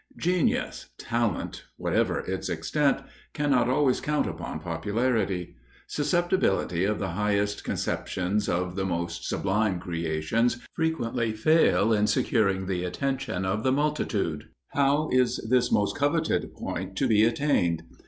Genius talent, whatever its extent cannot always count upon popularity. Susceptibility of the highest conceptions of the most sublime creations, frequently fail in securing the attention of the multitude. How is this most coveted point to be attained?